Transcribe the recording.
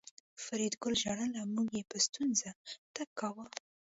فریدګل ژړل او مور یې په ستونزه تګ کاوه